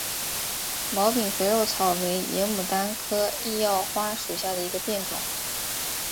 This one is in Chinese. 毛柄肥肉草为野牡丹科异药花属下的一个变种。